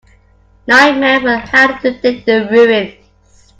Nine men were hired to dig the ruins.